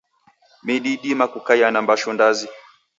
Midi idima kukaia na mbashu ndazi.